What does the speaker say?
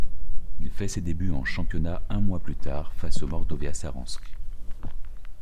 Il fait ses débuts en championnat un mois plus tard face au Mordovia Saransk.